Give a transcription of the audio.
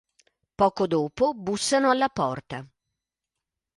Poco dopo bussano alla porta.